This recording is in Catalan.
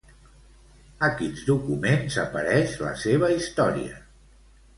A quins documents apareix la seva història?